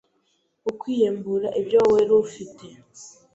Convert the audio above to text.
ukwiyembure ibyo weri ufite,